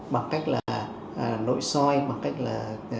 bằng cách là nội soi bằng cách là